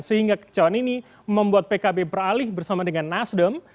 sehingga kekecauan ini membuat pkb beralih bersama dengan nasdem